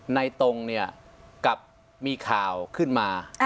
ตรงเนี่ยกลับมีข่าวขึ้นมา